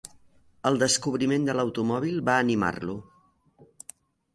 El descobriment de l'automòbil va animar-lo.